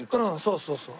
そうそうそう。